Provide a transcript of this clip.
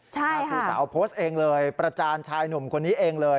ครูสาวโพสต์เองเลยประจานชายหนุ่มคนนี้เองเลย